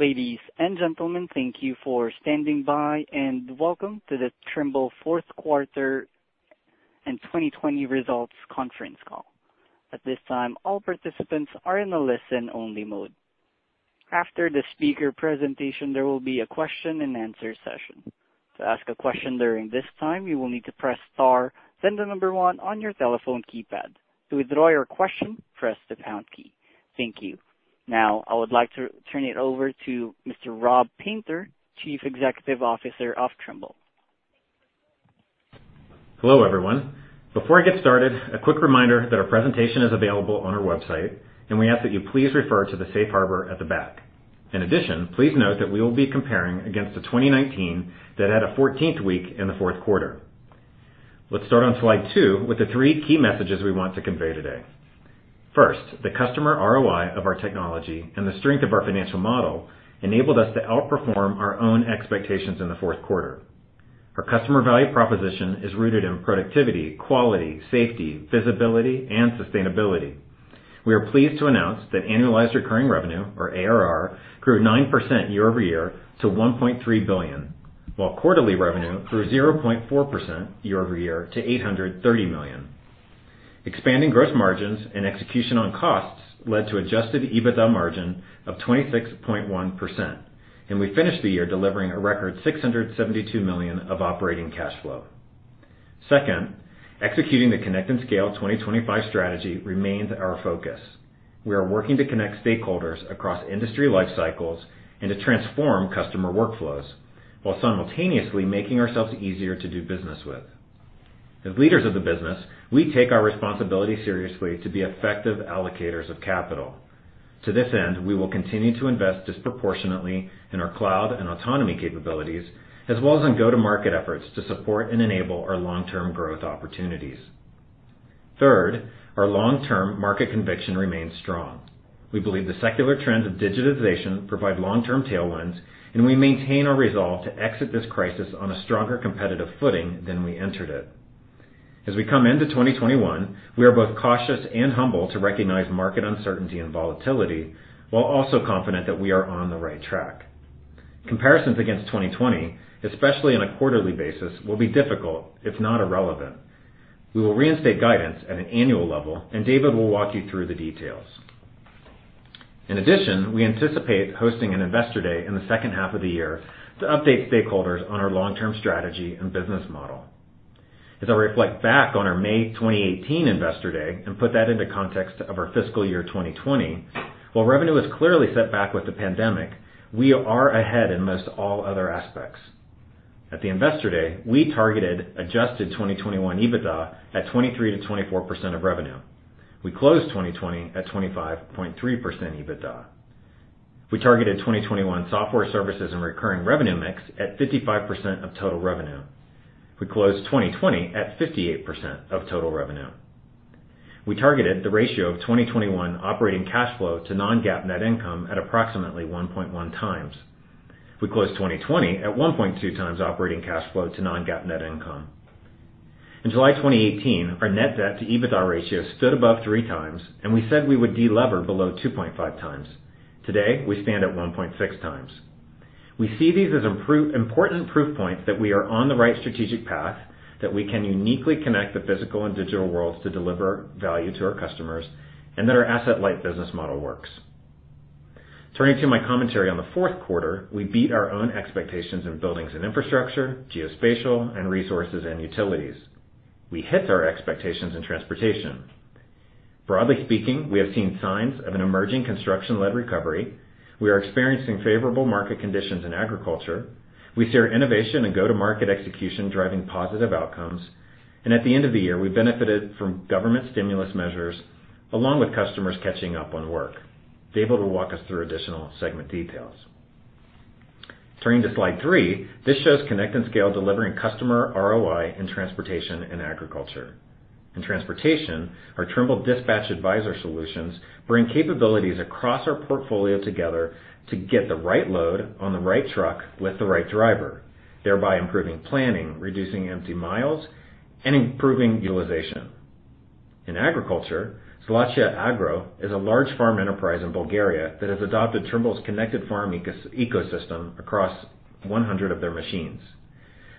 Ladies and gentlemen, thank you for standing by, and welcome to the Trimble fourth quarter and 2020 results conference call. At this time, all participants are in a listen-only mode. After the speaker presentation, there will be a question and answer session. To ask a question during this time, you will need to press star, then the number one on your telephone keypad. To withdraw your question, press the pound key. Thank you. Now, I would like to turn it over to Mr. Rob Painter, Chief Executive Officer of Trimble. Hello, everyone. Before I get started, a quick reminder that our presentation is available on our website, and we ask that you please refer to the safe harbor at the back. Please note that we will be comparing against the 2019 that had a 14th week in the fourth quarter. Let's start on slide two with the three key messages we want to convey today. First, the customer ROI of our technology and the strength of our financial model enabled us to outperform our own expectations in the fourth quarter. Our customer value proposition is rooted in productivity, quality, safety, visibility, and sustainability. We are pleased to announce that annualized recurring revenue, or ARR, grew 9% year-over-year to $1.3 billion, while quarterly revenue grew 0.4% year-over-year to $830 million. Expanding gross margins and execution on costs led to adjusted EBITDA margin of 26.1%. We finished the year delivering a record $672 million of operating cash flow. Second, executing the Connect and Scale 2025 strategy remains our focus. We are working to connect stakeholders across industry life cycles and to transform customer workflows while simultaneously making ourselves easier to do business with. As leaders of the business, we take our responsibility seriously to be effective allocators of capital. To this end, we will continue to invest disproportionately in our cloud and autonomy capabilities, as well as in go-to-market efforts to support and enable our long-term growth opportunities. Third, our long-term market conviction remains strong. We believe the secular trend of digitization provide long-term tailwinds. We maintain our resolve to exit this crisis on a stronger competitive footing than we entered it. As we come into 2021, we are both cautious and humble to recognize market uncertainty and volatility, while also confident that we are on the right track. Comparisons against 2020, especially on a quarterly basis, will be difficult, if not irrelevant. We will reinstate guidance at an annual level, and David will walk you through the details. In addition, we anticipate hosting an investor day in the second half of the year to update stakeholders on our long-term strategy and business model. As I reflect back on our May 2018 Investor Day and put that into context of our fiscal year 2020, while revenue is clearly set back with the pandemic, we are ahead in most all other aspects. At the investor day, we targeted adjusted 2021 EBITDA at 23%-24% of revenue. We closed 2020 at 25.3% EBITDA. We targeted 2021 software services and recurring revenue mix at 55% of total revenue. We closed 2020 at 58% of total revenue. We targeted the ratio of 2021 operating cash flow to non-GAAP net income at approximately 1.1x. We closed 2020 at 1.2x operating cash flow to non-GAAP net income. In July 2018, our net debt to EBITDA ratio stood above 3x, and we said we would de-lever below 2.5x. Today, we stand at 1.6x. We see these as important proof points that we are on the right strategic path, that we can uniquely connect the physical and digital worlds to deliver value to our customers, and that our asset-light business model works. Turning to my commentary on the fourth quarter, we beat our own expectations in buildings and infrastructure, geospatial, and resources and utilities. We hit our expectations in transportation. Broadly speaking, we have seen signs of an emerging construction-led recovery. We are experiencing favorable market conditions in agriculture. We see our innovation and go-to-market execution driving positive outcomes. At the end of the year, we benefited from government stimulus measures along with customers catching up on work. David will walk us through additional segment details. Turning to slide three, this shows Connect and Scale delivering customer ROI in transportation and agriculture. In transportation, our Trimble Dispatch Advisor solutions bring capabilities across our portfolio together to get the right load on the right truck with the right driver, thereby improving planning, reducing empty miles, and improving utilization. In agriculture, Zlatia Agro is a large farm enterprise in Bulgaria that has adopted Trimble's connected farm ecosystem across 100 of their machines.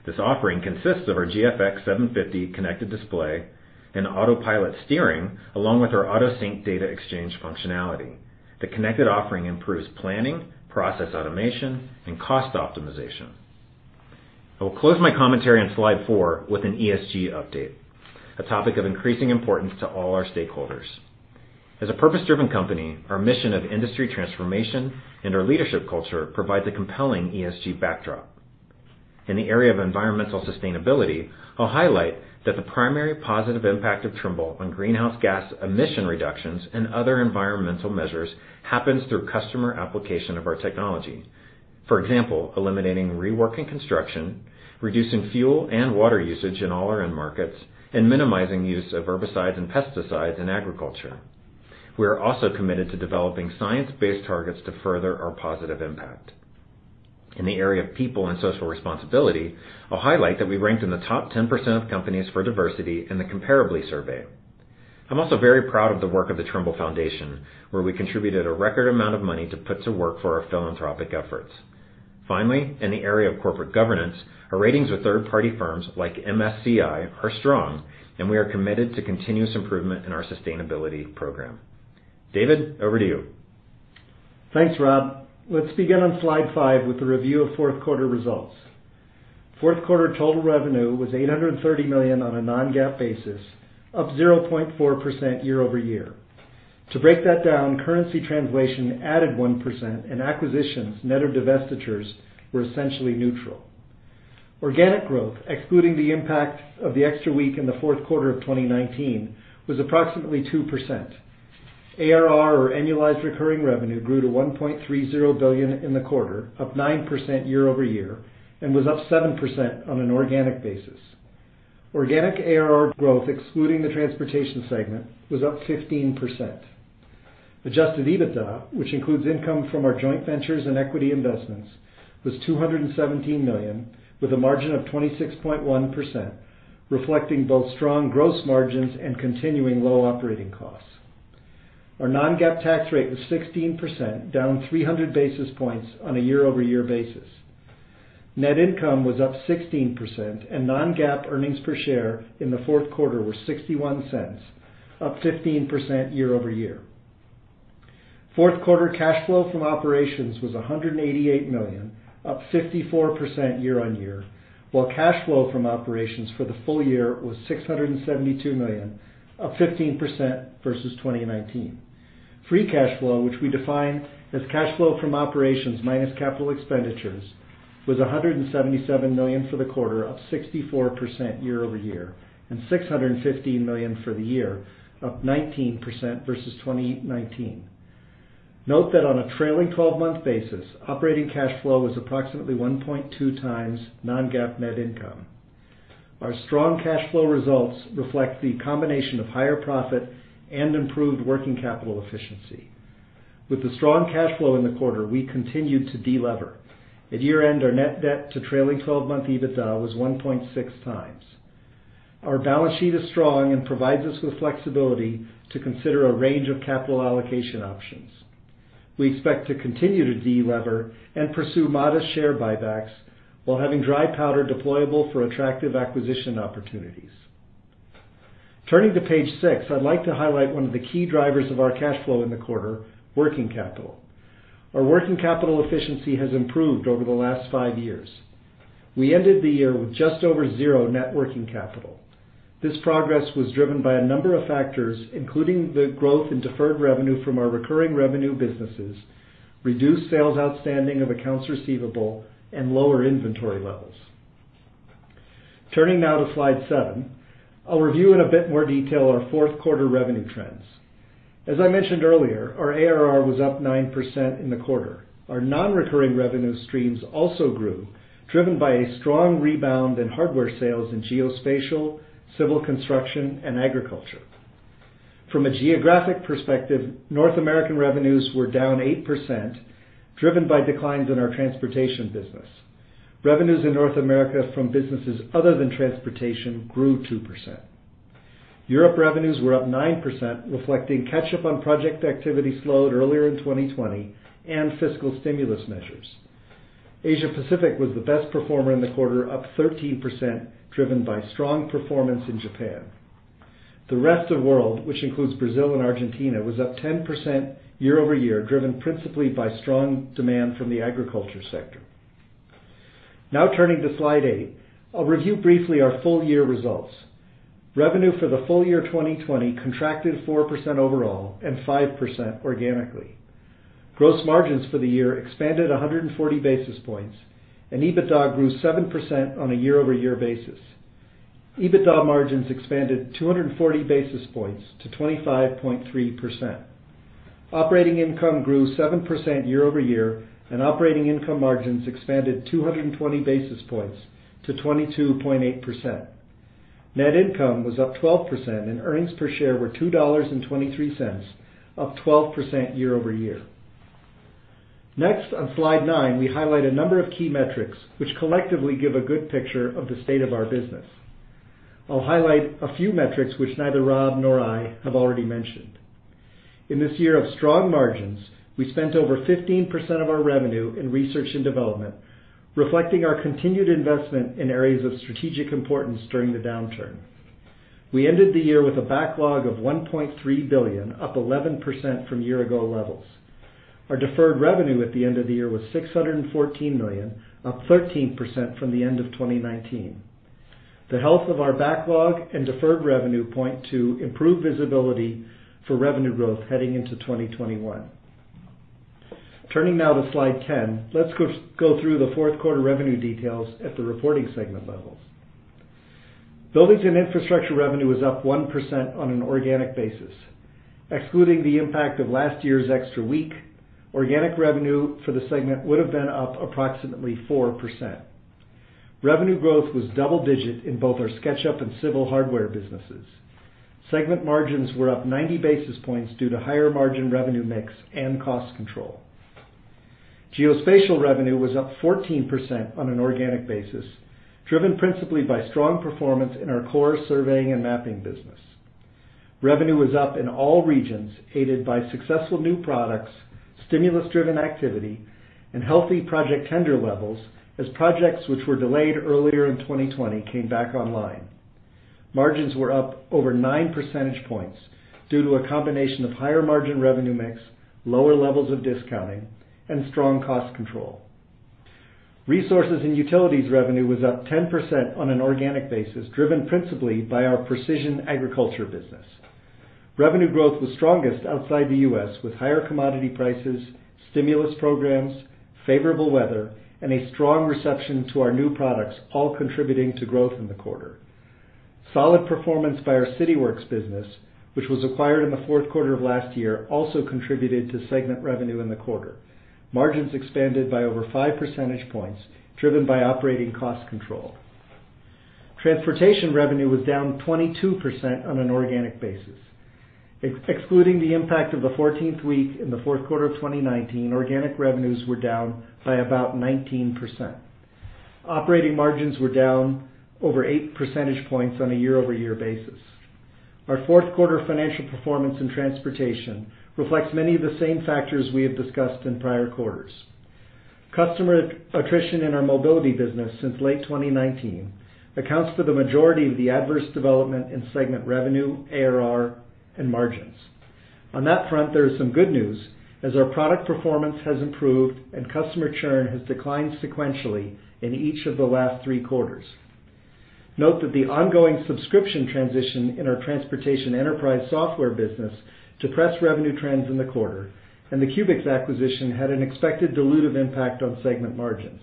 This offering consists of our GFX-750 connected display and autopilot steering, along with our AutoSync data exchange functionality. The connected offering improves planning, process automation, and cost optimization. I will close my commentary on slide four with an ESG update, a topic of increasing importance to all our stakeholders. As a purpose-driven company, our mission of industry transformation and our leadership culture provides a compelling ESG backdrop. In the area of environmental sustainability, I'll highlight that the primary positive impact of Trimble on greenhouse gas emission reductions and other environmental measures happens through customer application of our technology. For example, eliminating rework in construction, reducing fuel and water usage in all our end markets, and minimizing use of herbicides and pesticides in agriculture. We are also committed to developing science-based targets to further our positive impact. In the area of people and social responsibility, I'll highlight that we ranked in the top 10% of companies for diversity in the Comparably survey. I'm also very proud of the work of the Trimble Foundation, where we contributed a record amount of money to put to work for our philanthropic efforts. Finally, in the area of corporate governance, our ratings with third-party firms like MSCI are strong, and we are committed to continuous improvement in our sustainability program. David, over to you. Thanks, Rob. Let's begin on slide five with a review of fourth quarter results. Fourth quarter total revenue was $830 million on a non-GAAP basis, up 0.4% year-over-year. To break that down, currency translation added 1%, and acquisitions, net of divestitures, were essentially neutral. Organic growth, excluding the impact of the extra week in the fourth quarter of 2019, was approximately 2%. ARR, or annualized recurring revenue, grew to $1.30 billion in the quarter, up 9% year-over-year, and was up 7% on an organic basis. Organic ARR growth, excluding the transportation segment, was up 15%. Adjusted EBITDA, which includes income from our joint ventures and equity investments, was $217 million with a margin of 26.1%, reflecting both strong gross margins and continuing low operating costs. Our non-GAAP tax rate was 16%, down 300 basis points on a year-over-year basis. Net income was up 16%. Non-GAAP earnings per share in the fourth quarter were $0.61, up 15% year-over-year. Fourth quarter cash flow from operations was $188 million, up 54% year-on-year, while cash flow from operations for the full year was $672 million, up 15% versus 2019. Free cash flow, which we define as cash flow from operations minus capital expenditures, was $177 million for the quarter, up 64% year-over-year, and $615 million for the year, up 19% versus 2019. Note that on a trailing 12-month basis, operating cash flow was approximately 1.2x non-GAAP net income. Our strong cash flow results reflect the combination of higher profit and improved working capital efficiency. With the strong cash flow in the quarter, we continued to de-lever. At year-end, our net debt to trailing 12-month EBITDA was 1.6x. Our balance sheet is strong and provides us with flexibility to consider a range of capital allocation options. We expect to continue to de-lever and pursue modest share buybacks while having dry powder deployable for attractive acquisition opportunities. Turning to page six, I'd like to highlight one of the key drivers of our cash flow in the quarter, working capital. Our working capital efficiency has improved over the last five years. We ended the year with just over zero net working capital. This progress was driven by a number of factors, including the growth in deferred revenue from our recurring revenue businesses, reduced sales outstanding of accounts receivable, and lower inventory levels. Turning now to slide seven, I'll review in a bit more detail our fourth quarter revenue trends. As I mentioned earlier, our ARR was up 9% in the quarter. Our non-recurring revenue streams also grew, driven by a strong rebound in hardware sales in geospatial, civil construction, and agriculture. From a geographic perspective, North American revenues were down 8%, driven by declines in our transportation business. Revenues in North America from businesses other than transportation grew 2%. Europe revenues were up 9%, reflecting catch-up on project activity slowed earlier in 2020 and fiscal stimulus measures. Asia-Pacific was the best performer in the quarter, up 13%, driven by strong performance in Japan. The rest of world, which includes Brazil and Argentina, was up 10% year-over-year, driven principally by strong demand from the agriculture sector. Now turning to slide eight, I'll review briefly our full year results. Revenue for the full year 2020 contracted 4% overall and 5% organically. Gross margins for the year expanded 140 basis points, and EBITDA grew 7% on a year-over-year basis. EBITDA margins expanded 240 basis points to 25.3%. Operating income grew 7% year-over-year, and operating income margins expanded 220 basis points to 22.8%. Net income was up 12%, and earnings per share were $2.23, up 12% year-over-year. Next, on slide nine, we highlight a number of key metrics which collectively give a good picture of the state of our business. I'll highlight a few metrics which neither Rob nor I have already mentioned. In this year of strong margins, we spent over 15% of our revenue in research and development, reflecting our continued investment in areas of strategic importance during the downturn. We ended the year with a backlog of $1.3 billion, up 11% from year-ago levels. Our deferred revenue at the end of the year was $614 million, up 13% from the end of 2019. The health of our backlog and deferred revenue point to improved visibility for revenue growth heading into 2021. Turning now to slide 10, let's go through the fourth quarter revenue details at the reporting segment levels. Buildings and Infrastructure revenue was up 1% on an organic basis. Excluding the impact of last year's extra week, organic revenue for the segment would have been up approximately 4%. Revenue growth was double digit in both our SketchUp and civil hardware businesses. Segment margins were up 90 basis points due to higher margin revenue mix and cost control. Geospatial revenue was up 14% on an organic basis, driven principally by strong performance in our core surveying and mapping business. Revenue was up in all regions, aided by successful new products, stimulus-driven activity, and healthy project tender levels as projects which were delayed earlier in 2020 came back online. Margins were up over 9 percentage points due to a combination of higher margin revenue mix, lower levels of discounting, and strong cost control. Resources and utilities revenue was up 10% on an organic basis, driven principally by our precision agriculture business. Revenue growth was strongest outside the U.S., with higher commodity prices, stimulus programs, favorable weather, and a strong reception to our new products all contributing to growth in the quarter. Solid performance by our Cityworks business, which was acquired in the fourth quarter of last year, also contributed to segment revenue in the quarter. Margins expanded by over 5 percentage points, driven by operating cost control. Transportation revenue was down 22% on an organic basis. Excluding the impact of the 14th week in the fourth quarter of 2019, organic revenues were down by about 19%. Operating margins were down over 8 percentage points on a year-over-year basis. Our fourth quarter financial performance in transportation reflects many of the same factors we have discussed in prior quarters. Customer attrition in our mobility business since late 2019 accounts for the majority of the adverse development in segment revenue, ARR, and margins. On that front, there is some good news as our product performance has improved and customer churn has declined sequentially in each of the last three quarters. Note that the ongoing subscription transition in our transportation enterprise software business depressed revenue trends in the quarter, and the Kuebix acquisition had an expected dilutive impact on segment margins.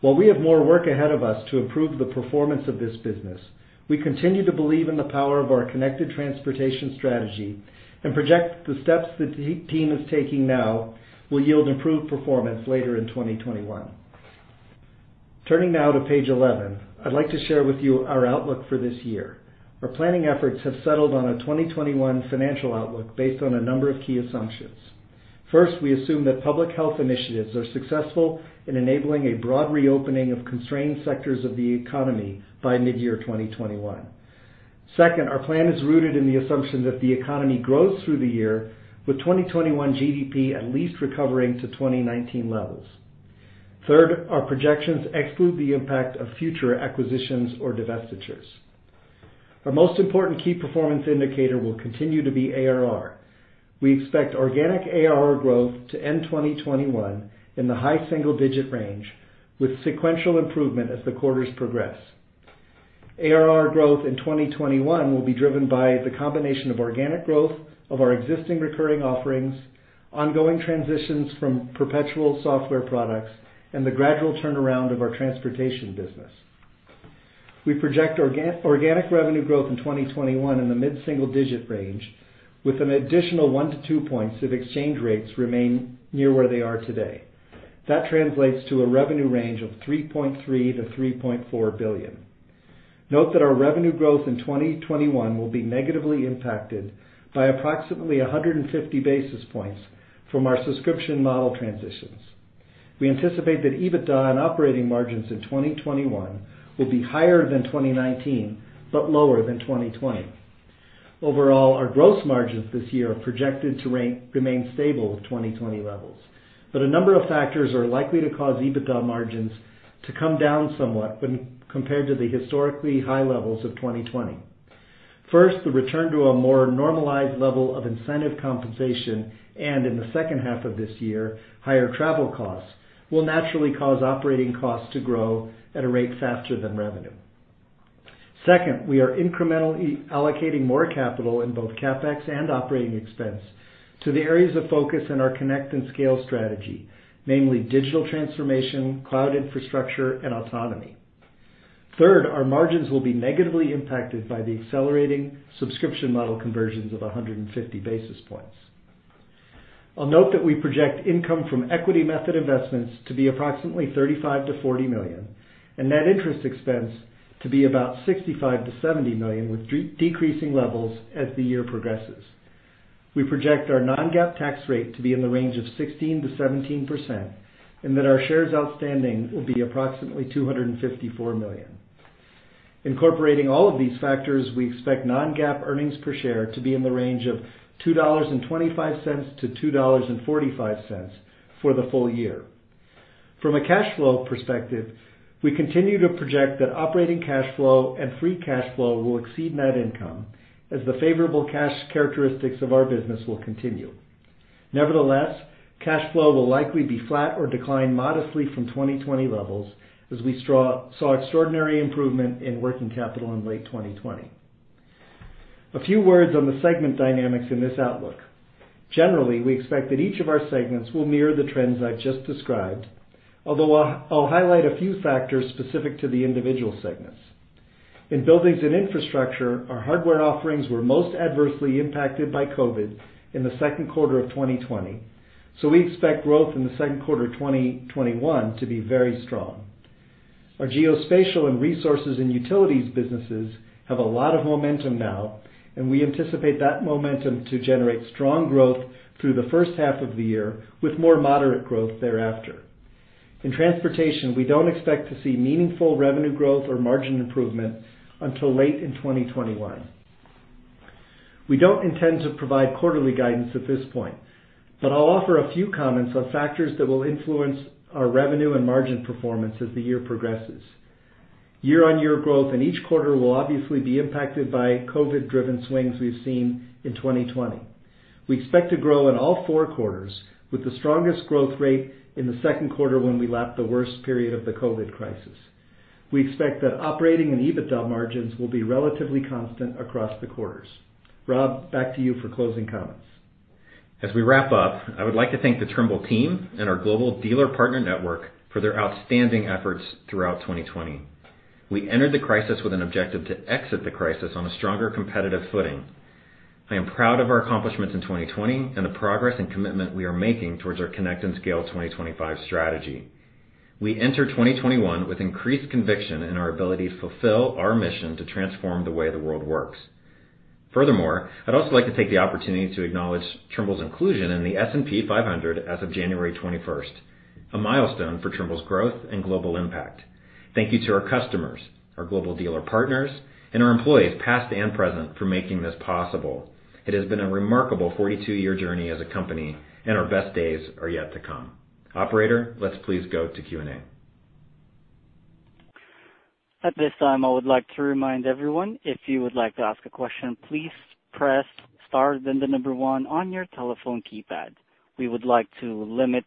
While we have more work ahead of us to improve the performance of this business, we continue to believe in the power of our connected transportation strategy and project the steps the team is taking now will yield improved performance later in 2021. Turning now to page 11, I'd like to share with you our outlook for this year. Our planning efforts have settled on a 2021 financial outlook based on a number of key assumptions. First, we assume that public health initiatives are successful in enabling a broad reopening of constrained sectors of the economy by mid-year 2021. Second, our plan is rooted in the assumption that the economy grows through the year with 2021 GDP at least recovering to 2019 levels. Third, our projections exclude the impact of future acquisitions or divestitures. Our most important key performance indicator will continue to be ARR. We expect organic ARR growth to end 2021 in the high single-digit range with sequential improvement as the quarters progress. ARR growth in 2021 will be driven by the combination of organic growth of our existing recurring offerings, ongoing transitions from perpetual software products, and the gradual turnaround of our transportation business. We project organic revenue growth in 2021 in the mid-single digit range with an additional one to two points if exchange rates remain near where they are today. That translates to a revenue range of $3.3 billion-$3.4 billion. Note that our revenue growth in 2021 will be negatively impacted by approximately 150 basis points from our subscription model transitions. We anticipate that EBITDA and operating margins in 2021 will be higher than 2019 but lower than 2020. Our gross margins this year are projected to remain stable with 2020 levels, but a number of factors are likely to cause EBITDA margins to come down somewhat when compared to the historically high levels of 2020. First, the return to a more normalized level of incentive compensation, and in the second half of this year, higher travel costs will naturally cause operating costs to grow at a rate faster than revenue. Second, we are incrementally allocating more capital in both CapEx and operating expense to the areas of focus in our Connect and Scale strategy, namely digital transformation, cloud infrastructure, and autonomy. Third, our margins will be negatively impacted by the accelerating subscription model conversions of 150 basis points. I'll note that we project income from equity method investments to be approximately $35 million-$40 million, and net interest expense to be about $65 million-$70 million, with decreasing levels as the year progresses. We project our non-GAAP tax rate to be in the range of 16%-17%, and that our shares outstanding will be approximately 254 million. Incorporating all of these factors, we expect non-GAAP earnings per share to be in the range of $2.25-$2.45 for the full year. From a cash flow perspective, we continue to project that operating cash flow and free cash flow will exceed net income as the favorable cash characteristics of our business will continue. Nevertheless, cash flow will likely be flat or decline modestly from 2020 levels as we saw extraordinary improvement in working capital in late 2020. A few words on the segment dynamics in this outlook. Generally, we expect that each of our segments will mirror the trends I've just described, although I'll highlight a few factors specific to the individual segments. In Buildings and Infrastructure, our hardware offerings were most adversely impacted by COVID in the second quarter of 2020. We expect growth in the second quarter of 2021 to be very strong. Our geospatial and resources and utilities businesses have a lot of momentum now. We anticipate that momentum to generate strong growth through the first half of the year, with more moderate growth thereafter. In transportation, we don't expect to see meaningful revenue growth or margin improvement until late in 2021. We don't intend to provide quarterly guidance at this point. I'll offer a few comments on factors that will influence our revenue and margin performance as the year progresses. Year-on-year growth in each quarter will obviously be impacted by COVID-driven swings we've seen in 2020. We expect to grow in all four quarters, with the strongest growth rate in the second quarter when we lap the worst period of the COVID crisis. We expect that operating and EBITDA margins will be relatively constant across the quarters. Rob, back to you for closing comments. As we wrap up, I would like to thank the Trimble team and our global dealer partner network for their outstanding efforts throughout 2020. We entered the crisis with an objective to exit the crisis on a stronger competitive footing. I am proud of our accomplishments in 2020 and the progress and commitment we are making towards our Connect and Scale 2025 strategy. We enter 2021 with increased conviction in our ability to fulfill our mission to transform the way the world works. Furthermore, I'd also like to take the opportunity to acknowledge Trimble's inclusion in the S&P 500 as of January 21st, a milestone for Trimble's growth and global impact. Thank you to our customers, our global dealer partners, and our employees, past and present, for making this possible. It has been a remarkable 42-year journey as a company, and our best days are yet to come. Operator, let's please go to Q&A. At this time, I would like to remind everyone, if you would like to ask a question, please press star, then the number one on your telephone keypad. We would like to limit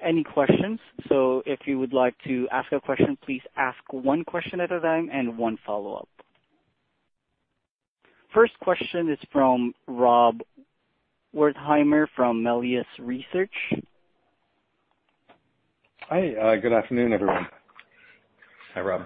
any questions, so if you would like to ask a question, please ask one question at a time and one follow-up. First question is from Rob Wertheimer from Melius Research. Hi. Good afternoon, everyone. Hi, Rob.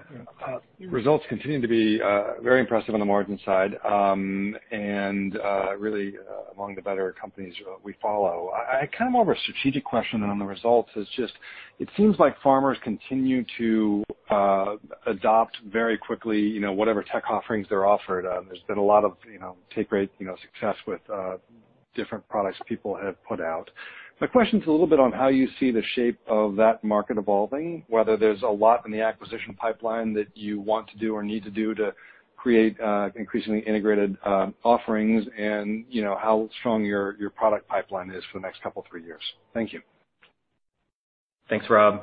Results continue to be very impressive on the margin side, and really, among the better companies we follow. I kind of more of a strategic question than on the results, is just, it seems like farmers continue to adopt very quickly whatever tech offerings they're offered. There's been a lot of take rate success with different products people have put out. My question's a little bit on how you see the shape of that market evolving, whether there's a lot in the acquisition pipeline that you want to do or need to do to create increasingly integrated offerings and how strong your product pipeline is for the next couple, three years? Thank you. Thanks, Rob.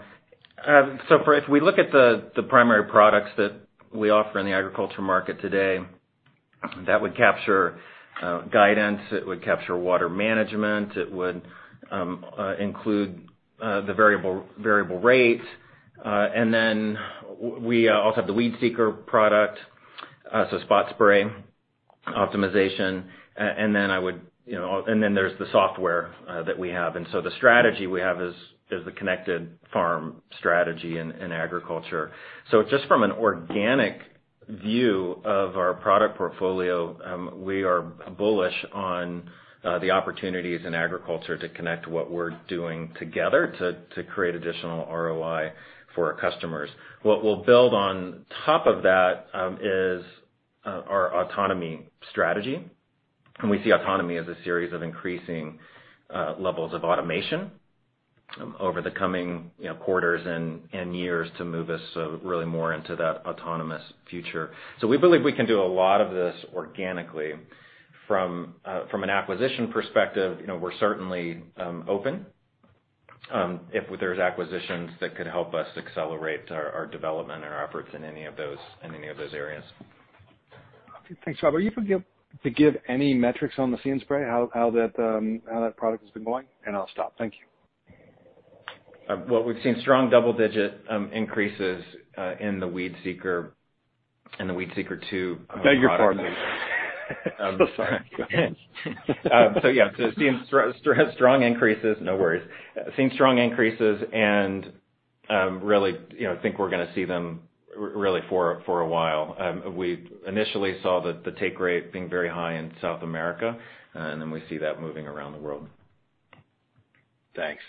If we look at the primary products that we offer in the agriculture market today, that would capture guidance, it would capture water management, it would include the variable rates, and then we also have the WeedSeeker product, so spot spraying optimization. There's the software that we have. The strategy we have is the connected farm strategy in agriculture. Just from an organic view of our product portfolio, we are bullish on the opportunities in agriculture to connect what we're doing together to create additional ROI for our customers. What we'll build on top of that is our autonomy strategy, and we see autonomy as a series of increasing levels of automation over the coming quarters and years to move us really more into that autonomous future. We believe we can do a lot of this organically. From an acquisition perspective, we're certainly open, if there's acquisitions that could help us accelerate our development and our efforts in any of those areas. Thanks, Rob. Are you able to give any metrics on the See & Spray, how that product has been going? I'll stop. Thank you. Well, we've seen strong double-digit increases in the WeedSeeker 2 product. Beg your pardon. Sorry. Go ahead. Yeah. Seeing strong increases. No worries. Seeing strong increases and really think we're going to see them really for a while. We initially saw the take rate being very high in South America, and then we see that moving around the world. Thanks.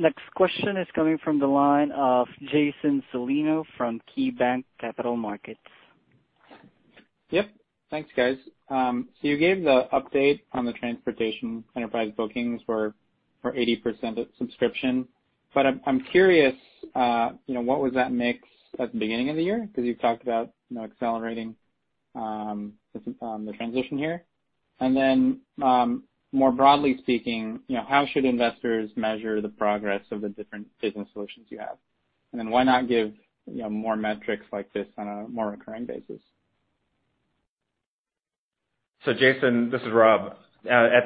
Next question is coming from the line of Jason Celino from KeyBanc Capital Markets. Yep. Thanks, guys. You gave the update on the transportation enterprise bookings for 80% of subscription, but I'm curious, what was that mix at the beginning of the year? Because You've talked about accelerating the transition here. More broadly speaking, how should investors measure the progress of the different business solutions you have? Why not give more metrics like this on a more recurring basis? Jason, this is Rob. Yes.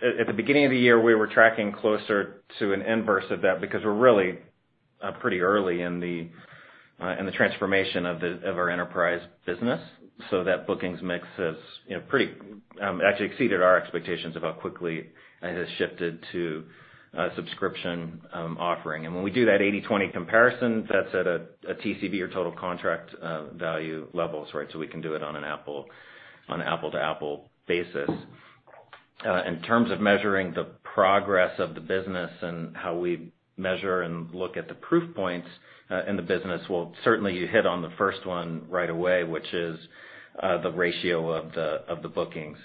At the beginning of the year, we were tracking closer to an inverse of that because we're really pretty early in the transformation of our enterprise business. That bookings mix has actually exceeded our expectations about how quickly it has shifted to a subscription offering. When we do that 80/20 comparison, that's at a TCV or Total Contract Value levels, right. We can do it on an apple-to-apple basis. In terms of measuring the progress of the business and how we measure and look at the proof points in the business, well, certainly you hit on the first one right away, which is the ratio of the bookings.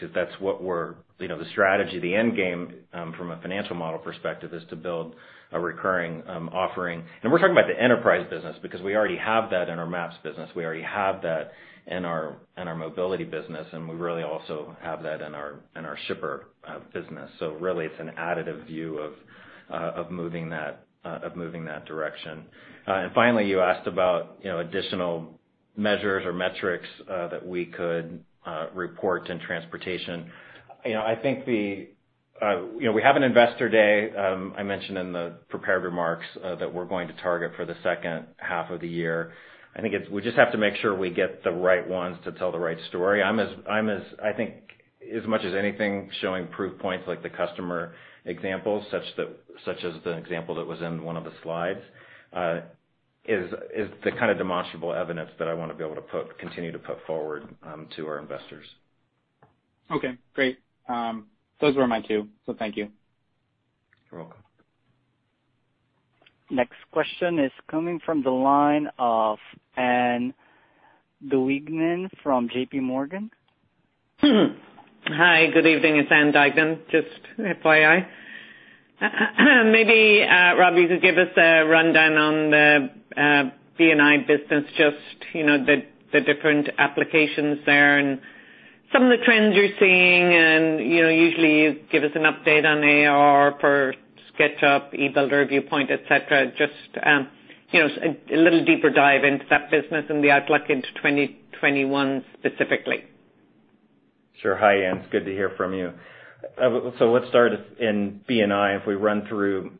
The strategy, the end game, from a financial model perspective, is to build a recurring offering. We're talking about the enterprise business, because we already have that in our maps business. We already have that in our mobility business, and we really also have that in our shipper business. Really it's an additive view of moving that direction. Finally, you asked about additional measures or metrics that we could report in transportation. We have an investor day, I mentioned in the prepared remarks, that we're going to target for the second half of the year. I think we just have to make sure we get the right ones to tell the right story. I think as much as anything, showing proof points like the customer examples, such as the example that was in one of the slides, is the kind of demonstrable evidence that I want to be able to continue to put forward to our investors. Okay, great. Those were my two, so thank you. You're welcome. Next question is coming from the line of Ann Duignan from JPMorgan. Hi, good evening. It's Ann Duignan, just fyi. Maybe, Rob, you could give us a rundown on the B&I business, just the different applications there and some of the trends you're seeing, and usually you give us an update on ARR for SketchUp, e-Builder, Viewpoint, et cetera? Just a little deeper dive into that business and the outlook into 2021 specifically. Sure. Hi, Ann. It's good to hear from you. Let's start in B&I. If we run through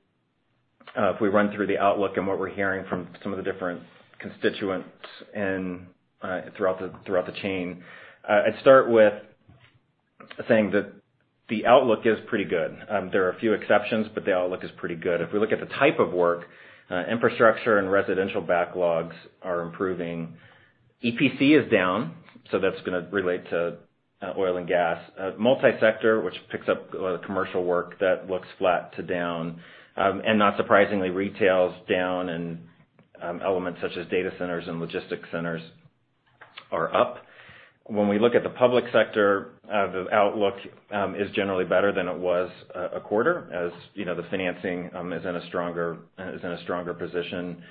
the outlook and what we're hearing from some of the different constituents throughout the chain. I'd start with saying that the outlook is pretty good. There are a few exceptions, but the outlook is pretty good. If we look at the type of work, infrastructure and residential backlogs are improving. EPC is down, so that's going to relate to oil and gas. Multi-sector, which picks up a lot of commercial work, that looks flat to down. Not surprisingly, retail's down and elements such as data centers and logistics centers are up. When we look at the public sector, the outlook is generally better than it was a quarter, as the financing is in a stronger position.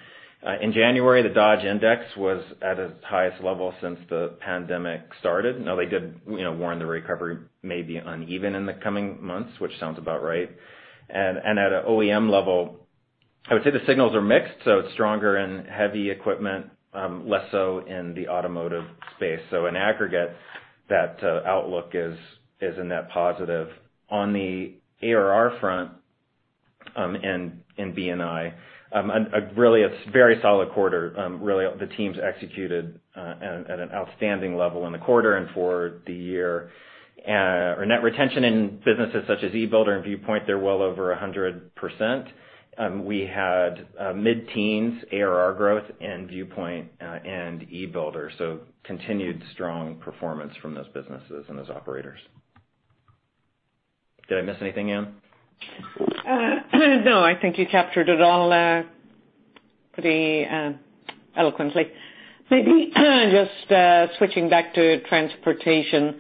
In January, the Dodge Momentum Index was at its highest level since the pandemic started. Now, they did warn the recovery may be uneven in the coming months, which sounds about right. At an OEM level, I would say the signals are mixed, so it's stronger in heavy equipment, less so in the automotive space. In aggregate, that outlook is a net positive. On the ARR front in B&I, really a very solid quarter. Really, the teams executed at an outstanding level in the quarter and for the year. Our net retention in businesses such as e-Builder and Viewpoint, they're well over 100%. We had mid-teens ARR growth in Viewpoint and e-Builder, continued strong performance from those businesses and those operators. Did I miss anything, Ann? No, I think you captured it all pretty eloquently. Maybe just switching back to transportation,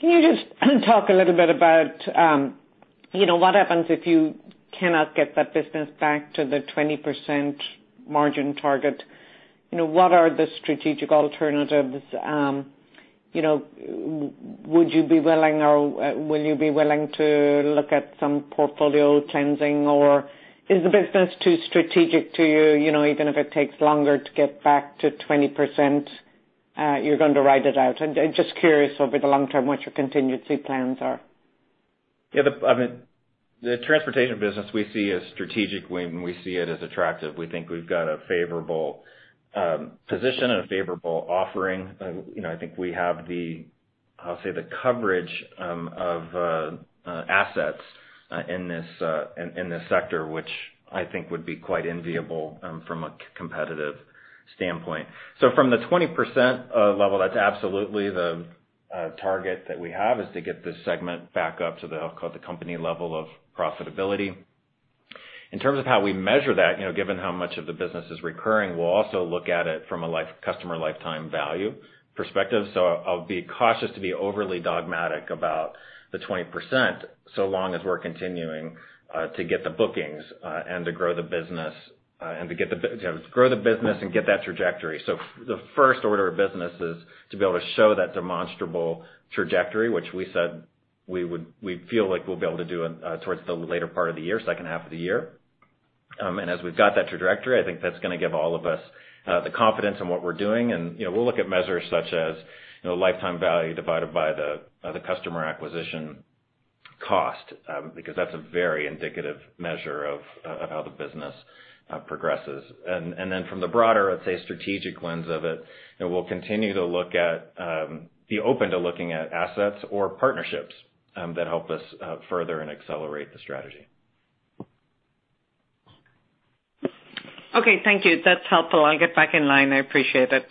can you just talk a little bit about what happens if you cannot get that business back to the 20% margin target? What are the strategic alternatives? Would you be willing, or will you be willing to look at some portfolio cleansing, or is the business too strategic to you, even if it takes longer to get back to 20%, you're going to ride it out? I'm just curious over the long term what your contingency plans are. The transportation business we see as strategic and we see it as attractive. We think we've got a favorable position and a favorable offering. I think we have the, I'll say the coverage of assets in this sector, which I think would be quite enviable from a competitive standpoint. From the 20% level, that's absolutely the target that we have, is to get this segment back up to the, I'll call it the company level of profitability. In terms of how we measure that, given how much of the business is recurring, we'll also look at it from a customer lifetime value perspective. I'll be cautious to be overly dogmatic about the 20%, so long as we're continuing to get the bookings and to grow the business and get that trajectory. The first order of business is to be able to show that demonstrable trajectory, which we said we feel like we'll be able to do towards the later part of the year, second half of the year. As we've got that trajectory, I think that's going to give all of us the confidence in what we're doing, and we'll look at measures such as lifetime value divided by the customer acquisition cost, because that's a very indicative measure of how the business progresses. Then from the broader, let's say, strategic lens of it, we'll continue to be open to looking at assets or partnerships that help us further and accelerate the strategy. Okay, thank you. That's helpful. I'll get back in line. I appreciate it.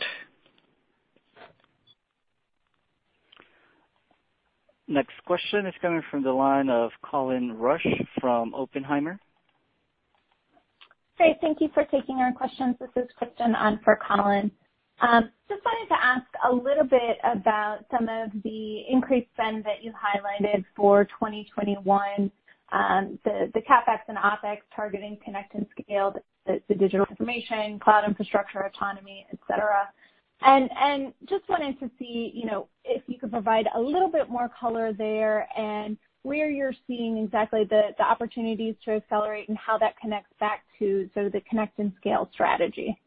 Next question is coming from the line of Colin Rusch from Oppenheimer. Great. Thank you for taking our questions. This is Kristen on for Colin. Wanted to ask a little bit about some of the increased spend that you highlighted for 2021, the CapEx and OpEx targeting Connect and Scale, the digital transformation, cloud infrastructure, autonomy, et cetera. Wanted to see if you could provide a little bit more color there and where you're seeing exactly the opportunities to accelerate and how that connects back to the Connect and Scale strategy?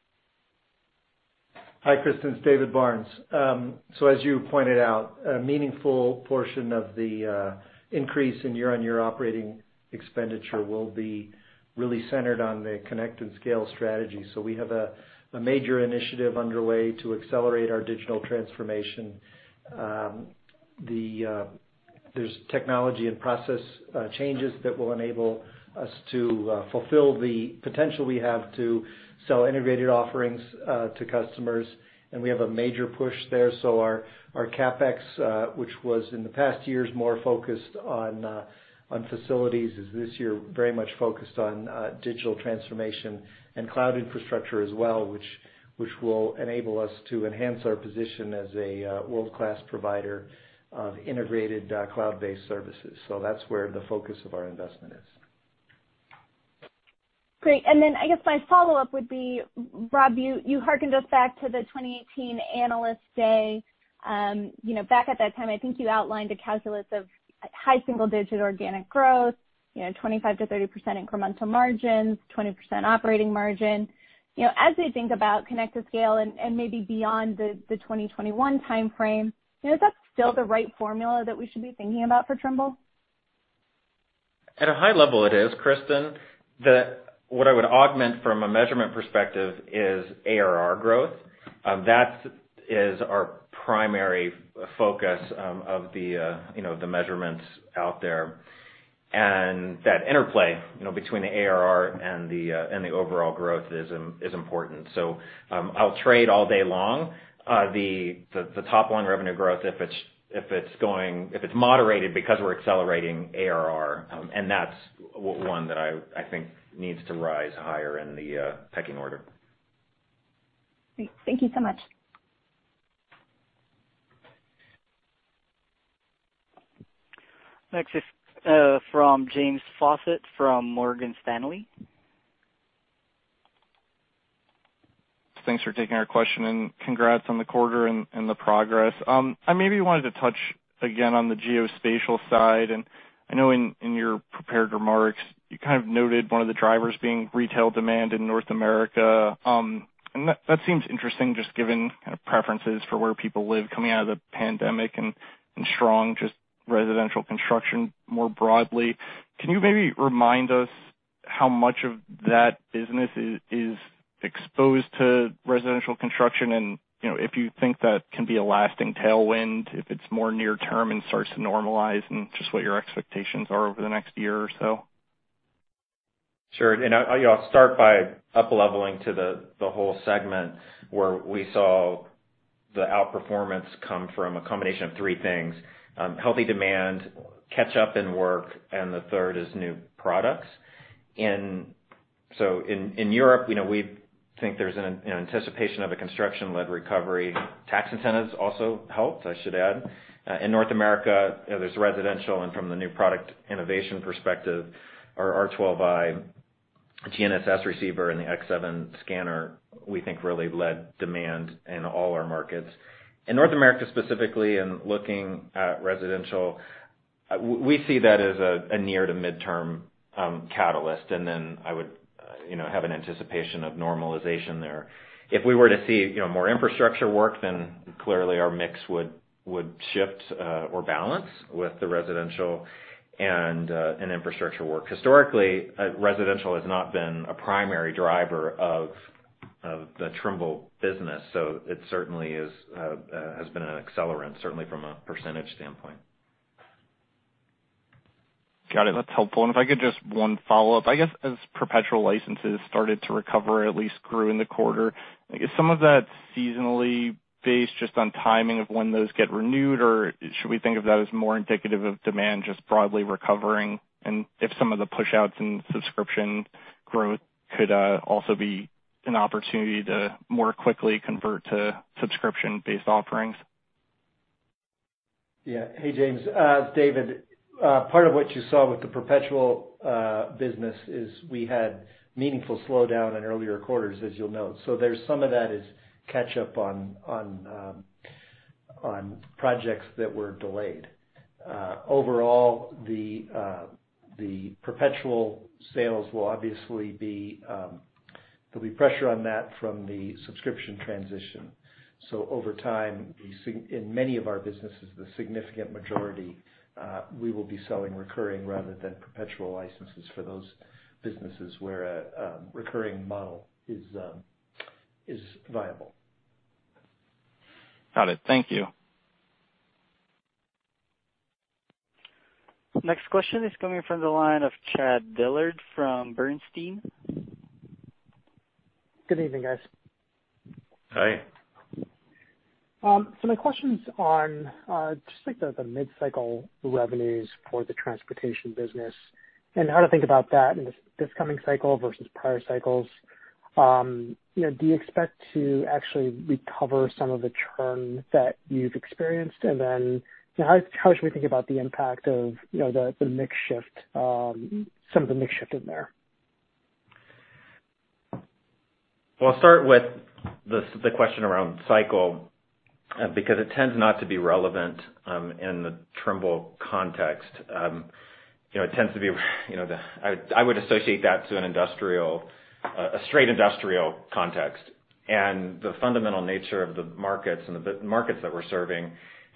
Hi, Kristen, it's David Barnes. As you pointed out, a meaningful portion of the increase in year-on-year OpEx will be really centered on the Connect and Scale strategy. There's technology and process changes that will enable us to fulfill the potential we have to sell integrated offerings to customers, and we have a major push there. Our CapEx, which was in the past years more focused on facilities, is this year very much focused on digital transformation and cloud infrastructure as well, which will enable us to enhance our position as a world-class provider of integrated cloud-based services. That's where the focus of our investment is. Great. I guess my follow-up would be, Rob, you hearkened us back to the 2018 Analyst Day. Back at that time, I think you outlined a calculus of high single-digit organic growth, 25%-30% incremental margins, 20% operating margin. As I think about Connect and Scale and maybe beyond the 2021 timeframe, is that still the right formula that we should be thinking about for Trimble? At a high level, it is, Kristen. What I would augment from a measurement perspective is ARR growth. That is our primary focus of the measurements out there. That interplay between the ARR and the overall growth is important. I'll trade all day long the top-line revenue growth, if it's moderated because we're accelerating ARR, that's one that I think needs to rise higher in the pecking order. Great. Thank you so much. Next is from [James Cholet] from Morgan Stanley. Thanks for taking our question. Congrats on the quarter and the progress. I maybe wanted to touch again on the geospatial side. I know in your prepared remarks, you kind of noted one of the drivers being retail demand in North America. That seems interesting, just given kind of preferences for where people live coming out of the pandemic and strong, just residential construction more broadly. Can you maybe remind us how much of that business is exposed to residential construction and if you think that can be a lasting tailwind, if it's more near term and starts to normalize, and just what your expectations are over the next year or so? Sure. I'll start by up-leveling to the whole segment where we saw the outperformance come from a combination of three things: healthy demand, catch up in work, and the third is new products. In Europe, we think there's an anticipation of a construction-led recovery. Tax incentives also helped, I should add. In North America, there's residential, and from the new product innovation perspective, our R12i GNSS receiver and the X7 scanner, we think really led demand in all our markets. In North America specifically, in looking at residential, we see that as a near to midterm catalyst, and then I would have an anticipation of normalization there. If we were to see more infrastructure work, then clearly our mix would shift or balance with the residential and infrastructure work. Historically, residential has not been a primary driver of the Trimble business, so it certainly has been an accelerant, certainly from a percentage standpoint. Got it. That's helpful. If I could, just one follow-up. I guess as perpetual licenses started to recover, or at least grew in the quarter, is some of that seasonally based just on timing of when those get renewed, or should we think of that as more indicative of demand just broadly recovering and if some of the push-outs in subscription growth could also be an opportunity to more quickly convert to subscription-based offerings? Yeah. Hey, James, it's David. Part of what you saw with the perpetual business is we had meaningful slowdown in earlier quarters, as you'll note. There's some of that is catch up on projects that were delayed. Overall, the perpetual sales will obviously be, there'll be pressure on that from the subscription transition. Over time, in many of our businesses, the significant majority, we will be selling recurring rather than perpetual licenses for those businesses where a recurring model is viable. Got it. Thank you. Next question is coming from the line of Chad Dillard from Bernstein. Good evening, guys. Hi. My question's on just like the mid-cycle revenues for the transportation business and how to think about that in this coming cycle versus prior cycles? Do you expect to actually recover some of the churn that you've experienced? Then, how should we think about the impact of the mix shift, some of the mix shift in there? Well, I'll start with the question around cycle, because it tends not to be relevant in the Trimble context. I would associate that to a straight industrial context, and the fundamental nature of the markets and the markets that we're serving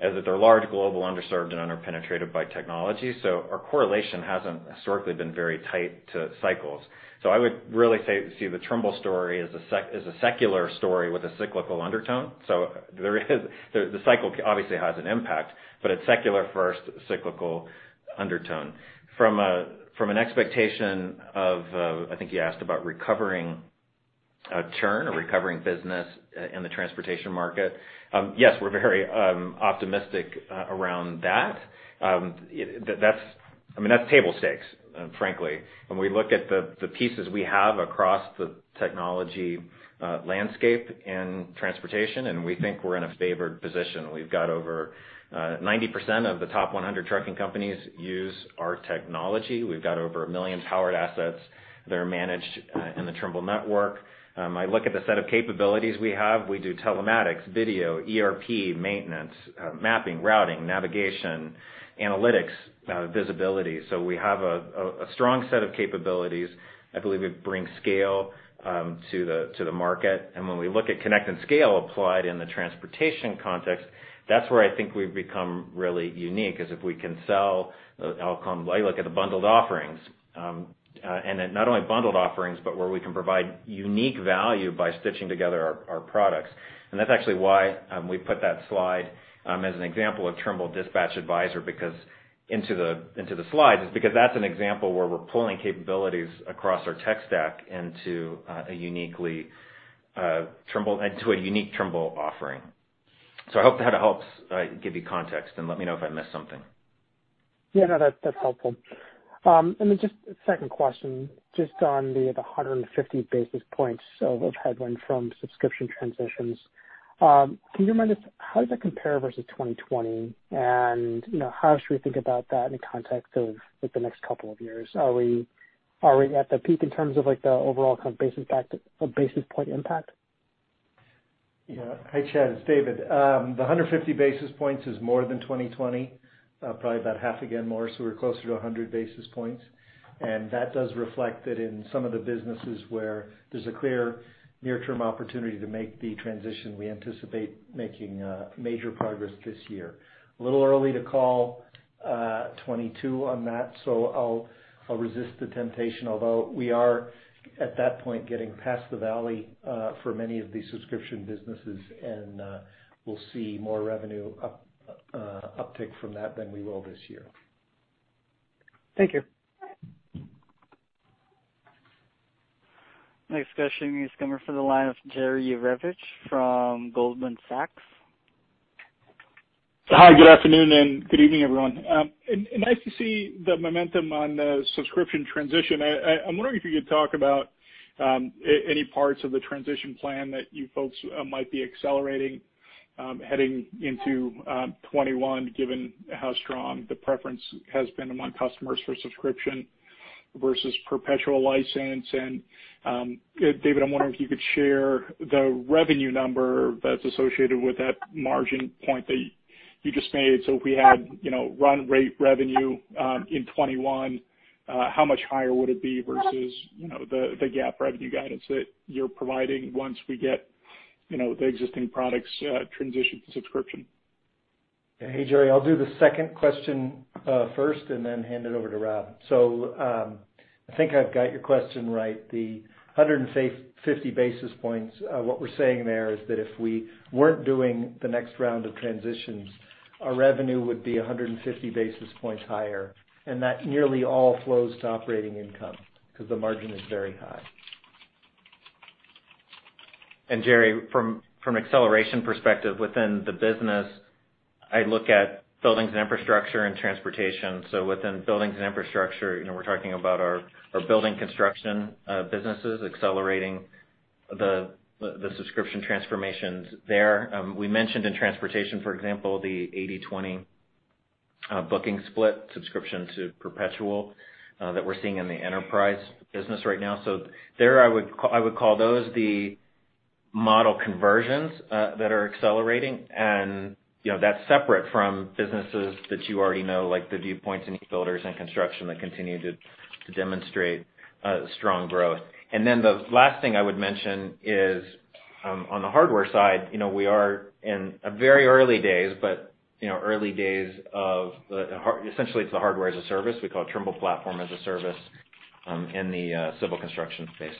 is that they're large, global, underserved, and under-penetrated by technology. Our correlation hasn't historically been very tight to cycles. I would really say, see the Trimble story as a secular story with a cyclical undertone. The cycle obviously has an impact, but it's secular first, cyclical undertone. From an expectation of, I think you asked about recovering churn or recovering business in the transportation market. Yes, we're very optimistic around that. That's table stakes, frankly. When we look at the pieces we have across the technology landscape in transportation, and we think we're in a favored position. We've got over 90% of the top 100 trucking companies use our technology. We've got over a million powered assets that are managed in the Trimble network. I look at the set of capabilities we have. We do telematics, video, ERP, maintenance, mapping, routing, navigation, analytics, visibility. We have a strong set of capabilities. I believe we bring scale to the market. When we look at Connect and Scale applied in the transportation context, that's where I think we've become really unique, is if we can sell the outcome. Look at the bundled offerings, and not only bundled offerings, but where we can provide unique value by stitching together our products. That's actually why we put that slide as an example of Trimble Dispatch Advisor into the slides, is because that's an example where we're pulling capabilities across our tech stack into a unique Trimble offering. I hope that helps give you context, and let me know if I missed something. Yeah, no, that's helpful. Then just a second question, just on the 150 basis points of headwind from subscription transitions. Can you remind us how does that compare versus 2020? How should we think about that in context of the next couple of years? Are we at the peak in terms of the overall kind of basis point impact? Yeah. Hi, Chad, it's David. The 150 basis points is more than 2020, probably about half again more, so we're closer to 100 basis points. That does reflect that in some of the businesses where there's a clear near-term opportunity to make the transition, we anticipate making major progress this year. A little early to call 2022 on that, so I'll resist the temptation. We are, at that point, getting past the valley for many of these subscription businesses, and we'll see more revenue uptick from that than we will this year. Thank you. Next question is coming from the line of Jerry Revich from Goldman Sachs. Hi, good afternoon and good evening, everyone. Nice to see the momentum on the subscription transition. I'm wondering if you could talk about any parts of the transition plan that you folks might be accelerating heading into 2021, given how strong the preference has been among customers for subscription versus perpetual license. David, I'm wondering if you could share the revenue number that's associated with that margin point that you just made so we had run rate revenue in 2021, how much higher would it be versus the GAAP revenue guidance that you're providing once we get the existing products transitioned to subscription? Hey, Jerry, I'll do the second question first and then hand it over to Rob. I think I've got your question right. The 150 basis points, what we're saying there is that if we weren't doing the next round of transitions, our revenue would be 150 basis points higher, and that nearly all flows to operating income because the margin is very high. Jerry, from acceleration perspective within the business, I look at buildings and infrastructure and transportation. Within buildings and infrastructure, we're talking about our building construction businesses accelerating the subscription transformations there. We mentioned in transportation, for example, the 80/20 booking split subscription to perpetual that we're seeing in the enterprise business right now. There, I would call those the model conversions that are accelerating, and that's separate from businesses that you already know, like the Viewpoint and e-Builder and Construction that continue to demonstrate strong growth. The last thing I would mention is, on the hardware side, we are in very early days, but early days of, essentially it's a hardware as a service. We call it Trimble Platform as a Service, in the civil construction space.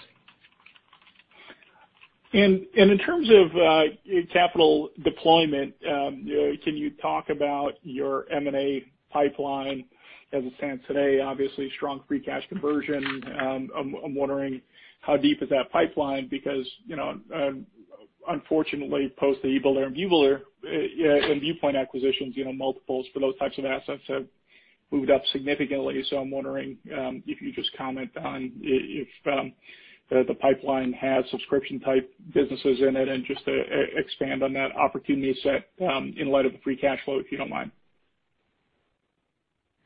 In terms of capital deployment, can you talk about your M&A pipeline as it stands today? Obviously, strong free cash conversion. I'm wondering how deep is that pipeline, because unfortunately, post the e-Builder and Viewpoint acquisitions, multiples for those types of assets have moved up significantly. I'm wondering if you just comment on if the pipeline has subscription-type businesses in it and just expand on that opportunity set in light of the free cash flow, if you don't mind.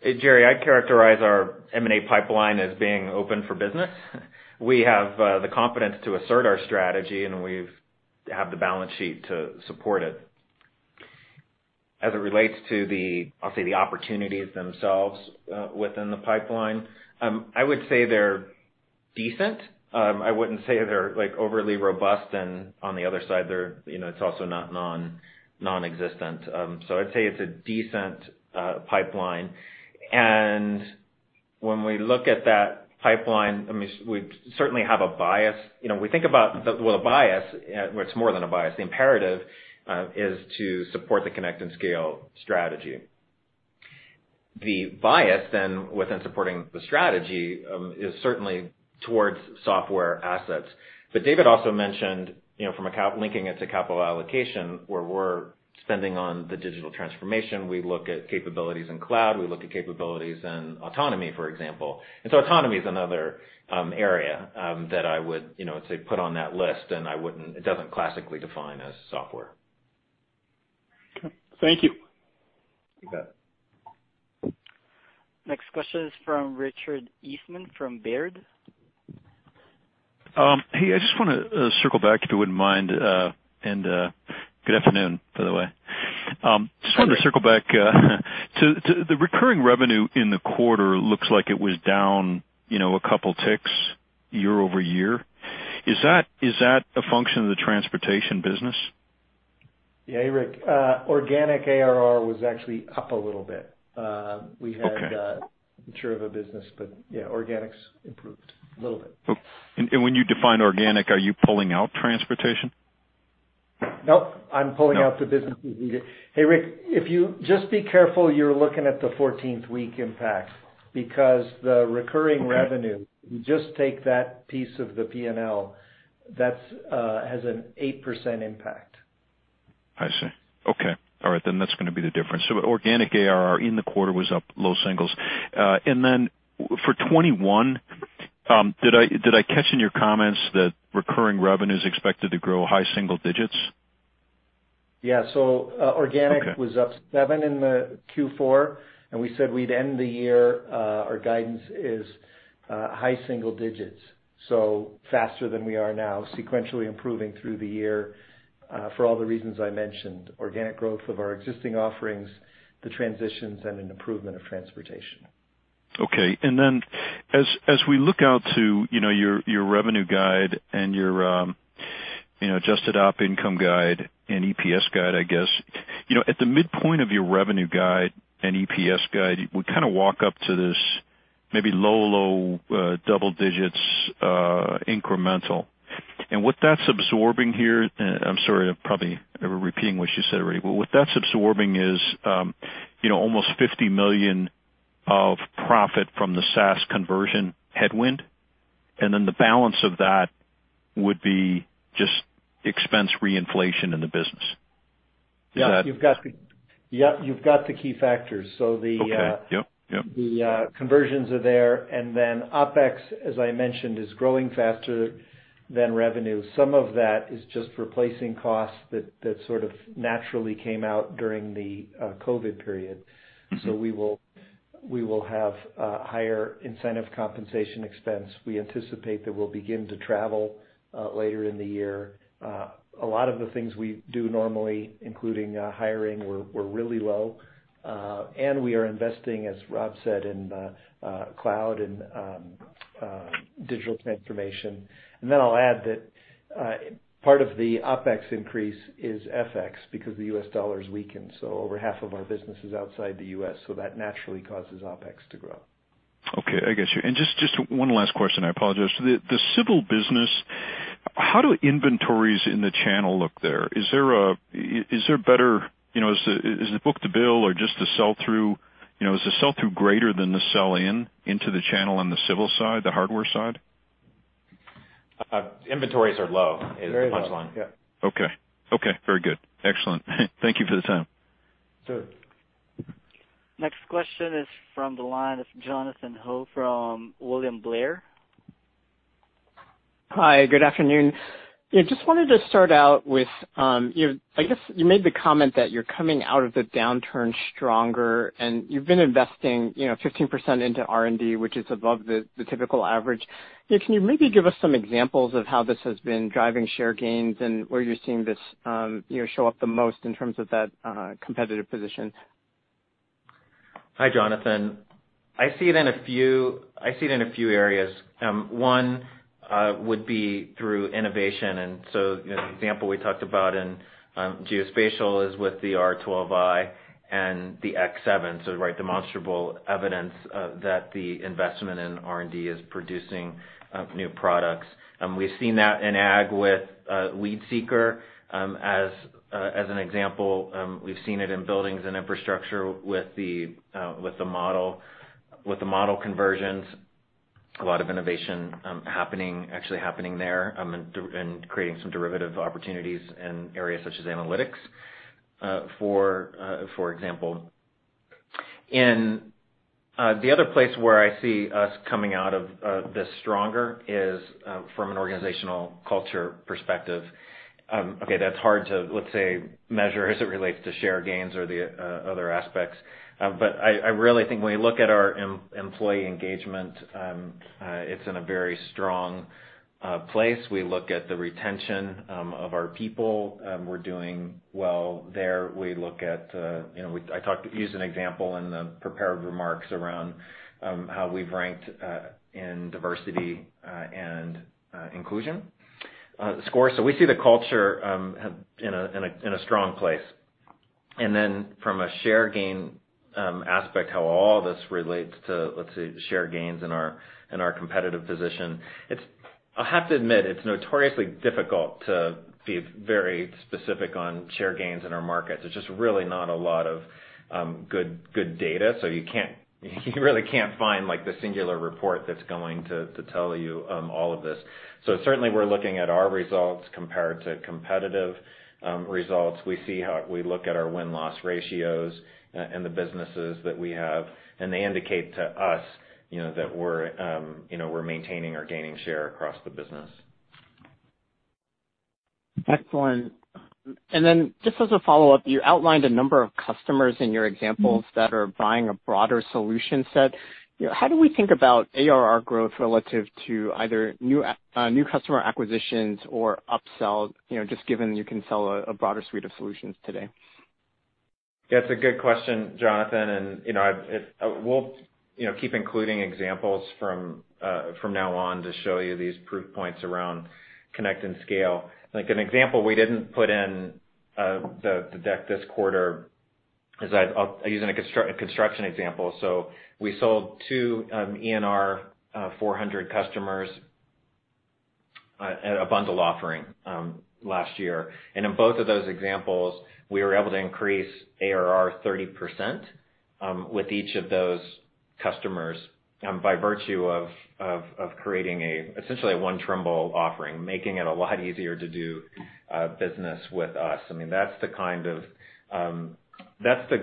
Hey, Jerry, I'd characterize our M&A pipeline as being open for business. We have the confidence to assert our strategy, and we have the balance sheet to support it. As it relates to the, I'll say, the opportunities themselves within the pipeline, I would say they're decent. I wouldn't say they're overly robust, and on the other side, it's also not non-existent. I'd say it's a decent pipeline. When we look at that pipeline, we certainly have a bias. We think about, well, a bias, well, it's more than a bias. The imperative is to support the Connect and Scale strategy. The bias, then, within supporting the strategy, is certainly towards software assets. David also mentioned, from linking it to capital allocation, where we're spending on the digital transformation, we look at capabilities in cloud, we look at capabilities in autonomy, for example. Autonomy is another area that I would say put on that list, and it doesn't classically define as software. Okay. Thank you. You bet. Next question is from Richard Eastman from Baird. Hey, I just want to circle back, if you wouldn't mind. Good afternoon, by the way. Just wanted to circle back. The recurring revenue in the quarter looks like it was down a couple ticks year-over-year. Is that a function of the transportation business? Yeah. Hey, Rick. Organic ARR was actually up a little bit. We had more of a business, but yeah, organics improved a little bit. When you define organic, are you pulling out transportation? Nope. I'm pulling out the businesses we did. Hey, Rick, just be careful you're looking at the 14th-week impact, because the recurring revenue. If you just take that piece of the P&L, that has an 8% impact. I see. Okay. All right, that's going to be the difference. Organic ARR in the quarter was up low singles. For 2021, did I catch in your comments that recurring revenue's expected to grow high single digits? Yeah. Organic was up seven in the Q4, and we said we'd end the year, our guidance is high single digits, so faster than we are now, sequentially improving through the year for all the reasons I mentioned. Organic growth of our existing offerings, the transitions, and an improvement of transportation. Okay. As we look out to your revenue guide and your adjusted op income guide and EPS guide, I guess. At the midpoint of your revenue guide and EPS guide, we kind of walk up to this maybe low double digits incremental. What that's absorbing here, I'm sorry, I'm probably repeating what you said already, but what that's absorbing is almost $50 million of profit from the SaaS conversion headwind, and then the balance of that would be just expense reinflation in the business. Is that? Yeah, you've got the key factors. The conversions are there. OpEx, as I mentioned, is growing faster than revenue. Some of that is just replacing costs that sort of naturally came out during the COVID period. We will have a higher incentive compensation expense. We anticipate that we'll begin to travel later in the year. A lot of the things we do normally, including hiring, were really low. We are investing, as Rob said, in cloud and digital transformation. I'll add that part of the OpEx increase is FX, because the U.S. dollar's weakened, so over half of our business is outside the U.S., so that naturally causes OpEx to grow. Okay. I get you. Just one last question, I apologize. The civil business, how do inventories in the channel look there? Is it book-to-bill or just the sell-through? Is the sell-through greater than the sell-in, into the channel on the civil side, the hardware side? Inventories are low, is the punchline. Very low, yeah. Okay. Very good. Excellent. Thank you for the time. Next question is from the line of Jonathan Ho from William Blair. Hi, good afternoon. Just wanted to start out with, I guess you made the comment that you're coming out of the downturn stronger, and you've been investing 15% into R&D, which is above the typical average. Can you maybe give us some examples of how this has been driving share gains and where you're seeing this show up the most in terms of that competitive position? Hi, Jonathan. I see it in a few areas. One would be through innovation, an example we talked about in geospatial is with the R12i and the X7, demonstrable evidence that the investment in R&D is producing new products. We've seen that in agriculture with WeedSeeker as an example. We've seen it in buildings and infrastructure with the model conversions. A lot of innovation actually happening there, creating some derivative opportunities in areas such as analytics, for example. The other place where I see us coming out of this stronger is from an organizational culture perspective. Okay, that's hard to, let's say, measure as it relates to share gains or the other aspects. I really think when you look at our employee engagement, it's in a very strong place. We look at the retention of our people, we're doing well there. I used an example in the prepared remarks around how we've ranked in diversity and inclusion score. We see the culture in a strong place. From a share gain aspect, how all this relates to, let's say, share gains in our competitive position. I have to admit, it's notoriously difficult to be very specific on share gains in our markets. There's just really not a lot of good data. You really can't find the singular report that's going to tell you all of this. Certainly, we're looking at our results compared to competitive results. We look at our win-loss ratios and the businesses that we have, and they indicate to us that we're maintaining or gaining share across the business. Excellent. Just as a follow-up, you outlined a number of customers in your examples that are buying a broader solution set. How do we think about ARR growth relative to either new customer acquisitions or upsell, just given you can sell a broader suite of solutions today? That's a good question, Jonathan. We'll keep including examples from now on to show you these proof points around Connect and Scale. An example we didn't put in the deck this quarter is, I'm using a construction example. We sold two ENR 400 customers a bundle offering last year. In both of those examples, we were able to increase ARR 30% with each of those customers by virtue of creating essentially a one Trimble offering, making it a lot easier to do business with us. That's the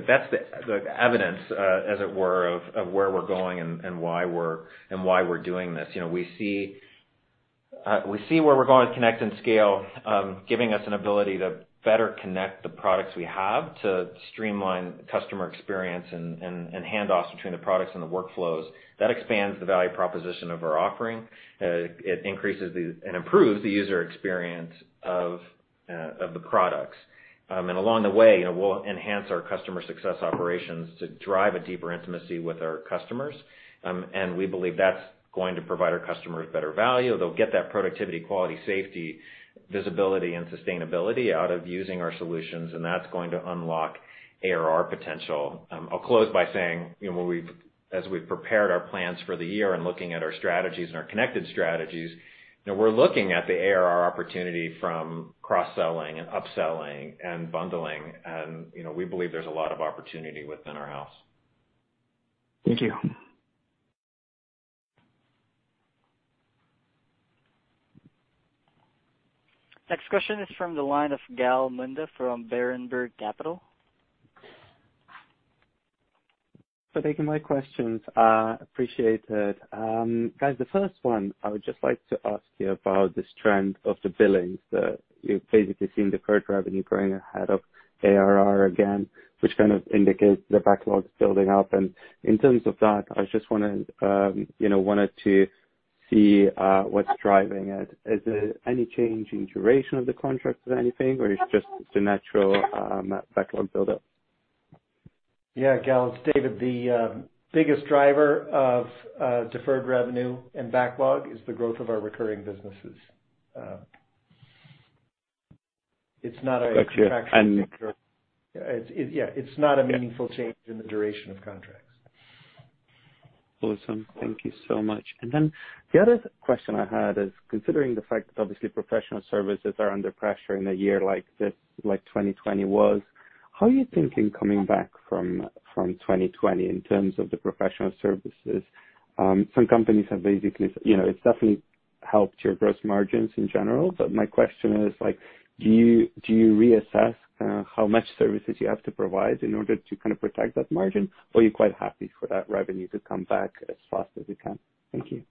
evidence, as it were, of where we're going and why we're doing this. We see where we're going with Connect and Scale, giving us an ability to better connect the products we have to streamline customer experience and handoffs between the products and the workflows. That expands the value proposition of our offering. It increases and improves the user experience of the products. Along the way, we'll enhance our customer success operations to drive a deeper intimacy with our customers. We believe that's going to provide our customers better value. They'll get that productivity, quality, safety, visibility, and sustainability out of using our solutions, and that's going to unlock ARR potential. I'll close by saying, as we've prepared our plans for the year and looking at our strategies and our connected strategies, we're looking at the ARR opportunity from cross-selling and upselling and bundling, and we believe there's a lot of opportunity within our house. Thank you. Next question is from the line of Gal Munda from Berenberg Capital. For taking my questions, appreciate it. Guys, the first one, I would just like to ask you about this trend of the billings, that you've basically seen deferred revenue growing ahead of ARR again, which kind of indicates the backlog's building up. In terms of that, I just wanted to see what's driving it. Is there any change in duration of the contracts or anything, or it's just the natural backlog buildup? Yeah, Gal, it's David. The biggest driver of deferred revenue and backlog is the growth of our recurring businesses. It's not a meaningful change in the duration of contracts. Awesome. Thank you so much. Then the other question I had is, considering the fact that obviously professional services are under pressure in a year like 2020 was, how are you thinking coming back from 2020 in terms of the professional services? Some companies have, it's definitely helped your gross margins in general, but my question is, do you reassess how much services you have to provide in order to kind of protect that margin? Or you're quite happy for that revenue to come back as fast as it can? Thank you.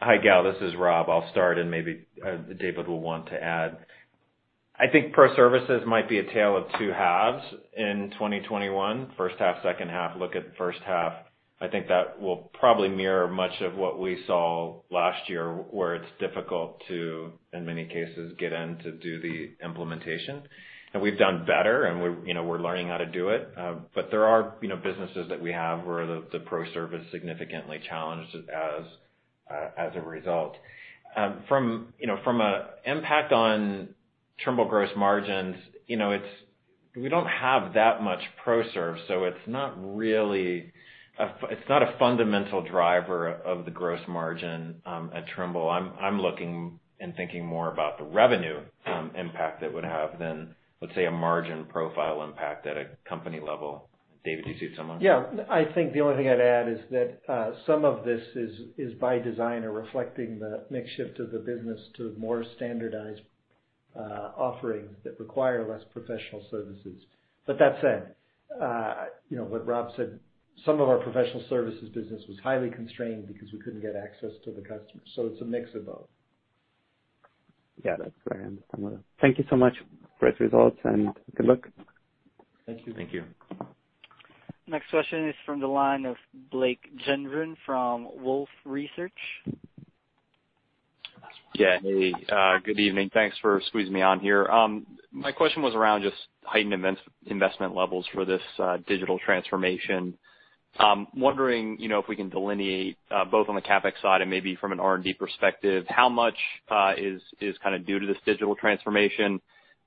Hi, Gal, this is Rob. I'll start, and maybe David will want to add. I think pro services might be a tale of two halves in 2021. First half, second half, look at the first half. I think that will probably mirror much of what we saw last year, where it's difficult to, in many cases, get in to do the implementation. We've done better, and we're learning how to do it. There are businesses that we have where the pro service significantly challenged as a result. From a impact on Trimble gross margins, we don't have that much pro serve, so it's not a fundamental driver of the gross margin at Trimble. I'm looking and thinking more about the revenue impact it would have than, let's say, a margin profile impact at a company level. David, do you see it similarly? Yeah. I think the only thing I'd add is that some of this is by design or reflecting the mix shift of the business to more standardized offerings that require less professional services. That said, what Rob said, some of our professional services business was highly constrained because we couldn't get access to the customer. It's a mix of both. Yeah, that's what I understand. Thank you so much. Great results, and good luck. Thank you. Thank you. Next question is from the line of Blake Gendron from Wolfe Research. Yeah. Hey, good evening. Thanks for squeezing me on here. My question was around just heightened investment levels for this digital transformation. I'm wondering, if we can delineate, both on the CapEx side and maybe from an R&D perspective, how much is kind of due to this digital transformation?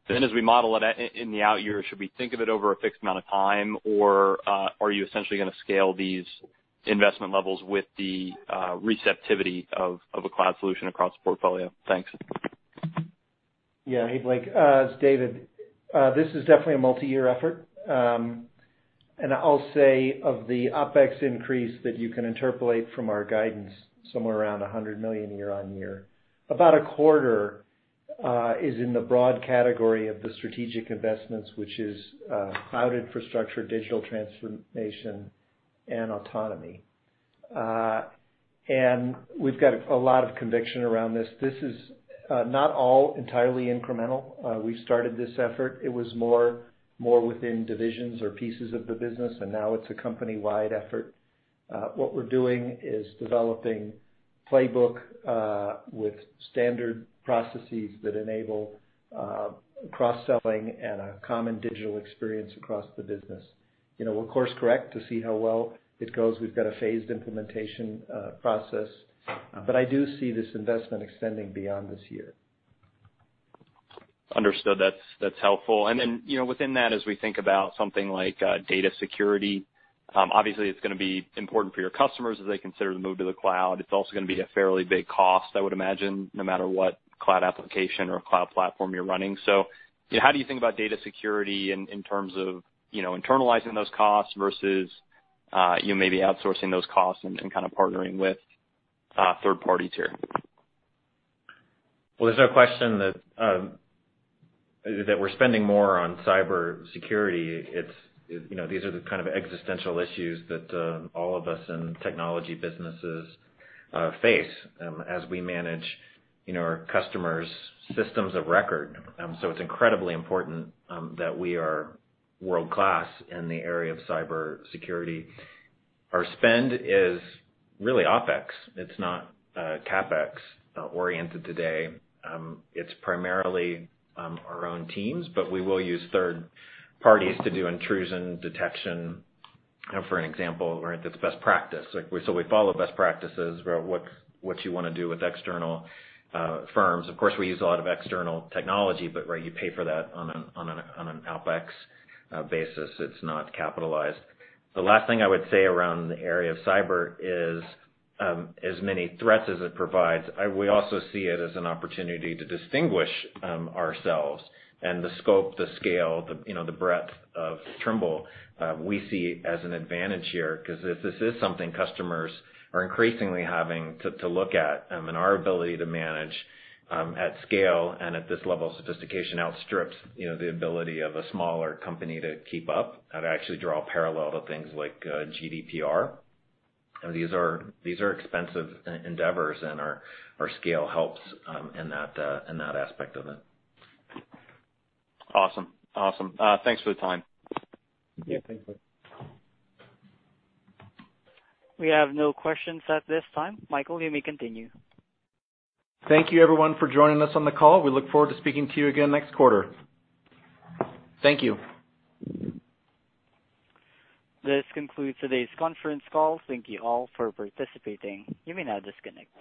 As we model it in the out years, should we think of it over a fixed amount of time, or are you essentially gonna scale these investment levels with the receptivity of a cloud solution across the portfolio? Thanks. Yeah. Hey, Blake Gendron, it's David. This is definitely a multi-year effort. I'll say of the OpEx increase that you can interpolate from our guidance, somewhere around $100 million year-on-year. About a quarter is in the broad category of the strategic investments, which is cloud infrastructure, digital transformation, and autonomy. We've got a lot of conviction around this. This is not all entirely incremental. We started this effort. It was more within divisions or pieces of the business, and now it's a company-wide effort. What we're doing is developing playbook, with standard processes that enable cross-selling and a common digital experience across the business. We'll course correct to see how well it goes. We've got a phased implementation process. I do see this investment extending beyond this year. Understood. That's helpful. Within that, as we think about something like data security, obviously it's gonna be important for your customers as they consider the move to the cloud. It's also gonna be a fairly big cost, I would imagine, no matter what cloud application or cloud platform you're running. How do you think about data security in terms of internalizing those costs versus maybe outsourcing those costs and kind of partnering with third parties here? There's no question that we're spending more on cyber security. These are the kind of existential issues that all of us in technology businesses face, as we manage our customers' systems of record. It's incredibly important that we are world-class in the area of cyber security. Our spend is really OpEx. It's not CapEx oriented today. It's primarily our own teams, but we will use third parties to do intrusion detection, for example, where it's best practice. We follow best practices where, what you want to do with external firms. Of course, we use a lot of external technology, but where you pay for that on an OpEx basis, it's not capitalized. The last thing I would say around the area of cyber is, as many threats as it provides, we also see it as an opportunity to distinguish ourselves and the scope, the scale, the breadth of Trimble, we see as an advantage here, because this is something customers are increasingly having to look at, and our ability to manage at scale and at this level of sophistication outstrips the ability of a smaller company to keep up. I'd actually draw a parallel to things like GDPR. These are expensive endeavors, and our scale helps in that aspect of it. Awesome. Thanks for the time. Yeah. Thanks, Blake. We have no questions at this time. Michael, you may continue. Thank you, everyone, for joining us on the call. We look forward to speaking to you again next quarter. Thank you. This concludes today's conference call. Thank you all for participating. You may now disconnect.